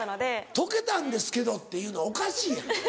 「解けたんですけど」っていうのおかしいやん。